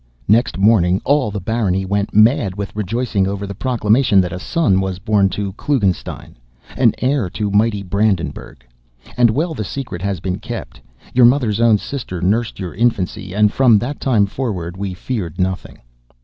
Next morning all the barony went mad with rejoicing over the proclamation that a son was born to Klugenstein, an heir to mighty Brandenburgh! And well the secret has been kept. Your mother's own sister nursed your infancy, and from that time forward we feared nothing.